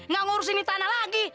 gak ngurusin ini tanah lagi